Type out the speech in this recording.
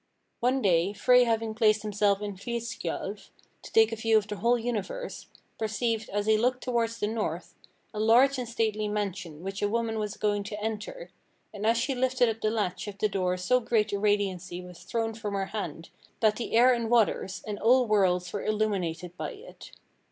One day Frey having placed himself in Hlidskjalf, to take a view of the whole universe, perceived, as he looked towards the north, a large and stately mansion which a woman was going to enter, and as she lifted up the latch of the door so great a radiancy was thrown from her hand that the air and waters, and all worlds were illuminated by it.